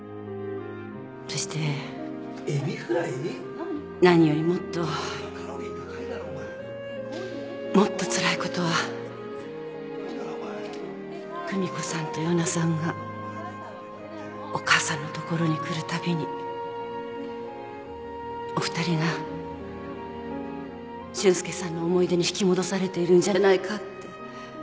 そして何よりもっともっとつらいことは久美子さんと与那さんがお母さんの所に来るたびにお二人が俊介さんの思い出に引き戻されているんじゃないかって。